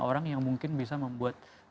orang yang mungkin bisa membuat